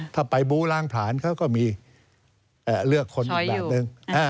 ถ้าไปบู้ล้างผลาญเขาก็มีเลือกคนอีกแบบนึง